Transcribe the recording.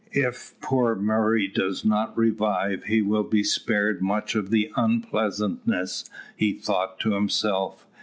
"If poor Murray does not revive, he will be spared much of the unpleasantness," he thought to himself.